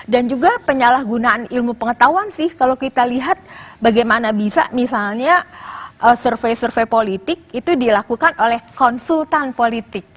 dan juga penyalahgunaan ilmu pengetahuan sih kalau kita lihat bagaimana bisa misalnya survei survei politik itu dilakukan oleh konsultan politik